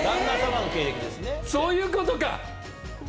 そういうことか。